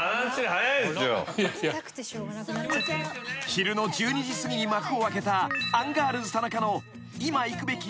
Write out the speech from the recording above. ［昼の１２時すぎに幕を開けたアンガールズ田中のいま行くべき！